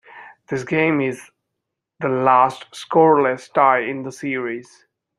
This game is the last scoreless tie in the series.